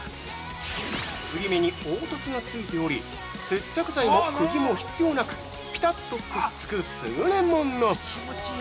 継ぎ目に凹凸がついており接着剤も釘も必要なくぴたっとくっつく優れもの！